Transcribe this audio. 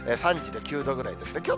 ３時で９度ぐらいですね。